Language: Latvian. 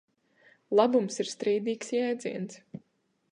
Labums ir strīdīgs jēdziens.